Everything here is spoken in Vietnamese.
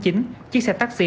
chiếc xe taxi